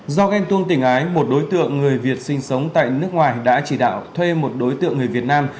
do ghen tuông tình ái một đối tượng người việt sinh sống tại nước ngoài đã chỉ đạo thuê một đối tượng người việt nam